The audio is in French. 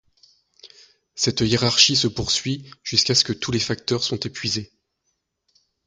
Cette hiérarchie se poursuit jusqu'à ce que tous les facteurs sont épuisés.